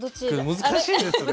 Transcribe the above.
難しいですね。